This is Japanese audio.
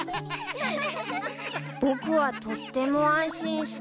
僕はとっても安心した